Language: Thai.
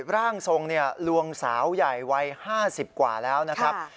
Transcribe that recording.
ร่างทรงลวงสาวใหญ่วัย๕๐กว่าแล้วนะครับ